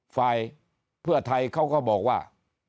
ฝ่ายเพื่อไทยเขาก็บอกว่า